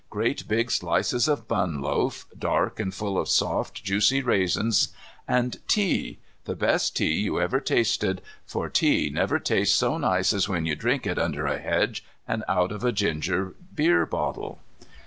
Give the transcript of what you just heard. Great big slices of bunloaf, dark and full of soft, juicy raisins, and tea, the best tea you ever tasted, for tea never tastes so nice as when you drink it under a hedge and out of a ginger beer bottle.